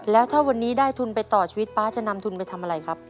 แล้วถ้าวันนี้ได้ทุนไปต่อชีวิตป๊าจะนำทุนไปทำอะไรครับ